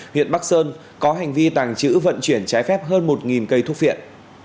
huyện bắc sơn có hành vi tàng trữ vận chuyển trái phép hơn một cây thuốc viện